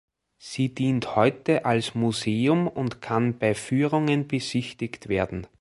Sie dient heute als Museum und kann bei Führungen besichtigt werden.